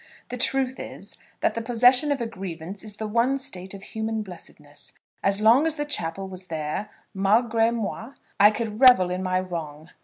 The truth is, that the possession of a grievance is the one state of human blessedness. As long as the chapel was there, malgré moi, I could revel in my wrong.